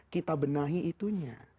kita benahi itunya